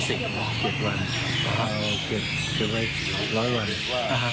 สบายไปให้เราสบายใจ